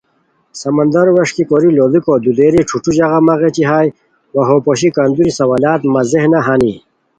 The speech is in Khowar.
سمندرو وݰکی کوری لوڑیکو دُودیری ݯھوݯھو ژاغہ مہ غیچی ہائے وا ہو پوشی کندوری سوالات مہ ذہنہ ہانی